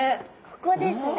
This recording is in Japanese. ここですね。